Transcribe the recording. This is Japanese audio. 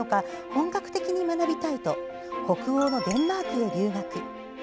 本格的に学びたいと北欧のデンマークへ留学。